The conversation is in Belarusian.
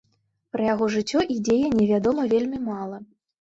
Пра яго жыццё і дзеянні вядома вельмі мала.